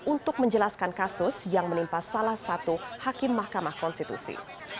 untuk menjelaskan kasus yang menimpa salah satu hakim mahkamah konstitusi